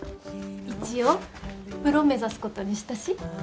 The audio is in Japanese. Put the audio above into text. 一応プロ目指すことにしたし。